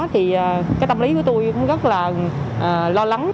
thì cái tâm lý của tôi cũng rất là lo lắng